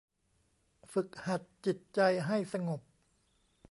ฝึกหัดจิตใจให้สงบ